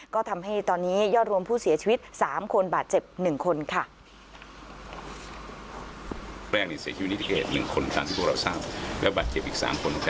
ก็ทำให้ตอนนี้ยอดรวมผู้เสียชีวิต๓คนบาดเจ็บ๑คนค่ะ